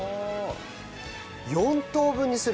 ４等分にする？